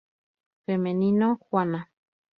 Femenino: Juana.